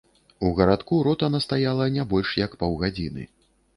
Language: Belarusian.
У гарадку рота настаяла не больш, як паўгадзіны.